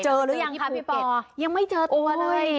หรือยังคะพี่ปอยังไม่เจอตัวเลย